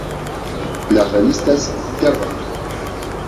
Las revistas "Kerrang!